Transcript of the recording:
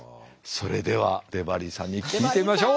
それではデバリーさんに聞いてみましょう。